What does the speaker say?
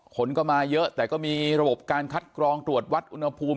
คนก็มาเยอะแต่ก็มีระบบการคัดกรองตรวจวัดอุณหภูมิ